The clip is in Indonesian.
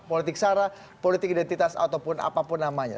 politik sara politik identitas ataupun apapun namanya